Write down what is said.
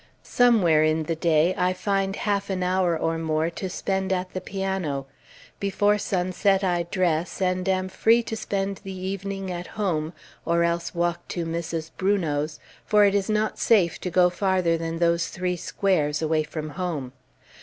Somewhere in the day, I find half an hour, or more, to spend at the piano. Before sunset I dress, and am free to spend the evening at home, or else walk to Mrs. Brunot's, for it is not safe to go farther than those three squares, away from home.